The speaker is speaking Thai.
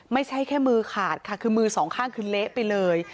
ไม่ใช่แค่มือขาดค่ะคือมือสองข้างคือเละไปเลย